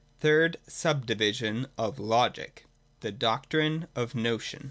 THIRD SUB DIVISION OF LOGIC. THE DOCTRINE OF THE NOTION.